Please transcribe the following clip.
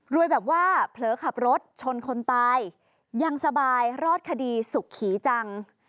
แบบว่าเผลอขับรถชนคนตายยังสบายรอดคดีสุขีจัง